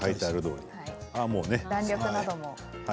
弾力なども。